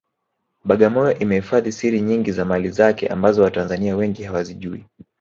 Bagamoyo imehifadhi siri nyingi za mali kale ambazo watanzania wengi hawazijui